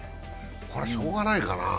これはしようがないかな？